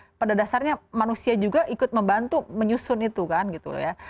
nah pada dasarnya manusia juga ikut membantu menyusun itu kan gitu loh ya